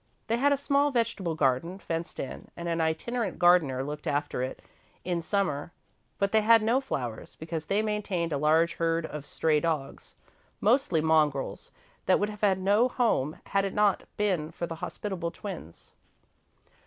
They had a small vegetable garden, fenced in, and an itinerant gardener looked after it, in Summer, but they had no flowers, because they maintained a large herd of stray dogs, mostly mongrels, that would have had no home had it not been for the hospitable twins.